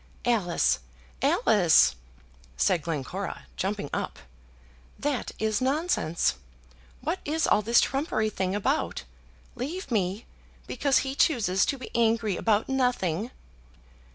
"Alice! Alice!" said Glencora, jumping up, "that is nonsense! What is all this trumpery thing about? Leave me, because he chooses to be angry about nothing?"